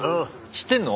知ってんの？